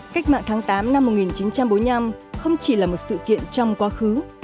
cách mạng tháng tám năm một nghìn chín trăm bốn mươi năm không chỉ là một sự kiện trong quá khứ